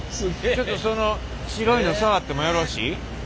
ちょっとその白いの触ってもよろしい？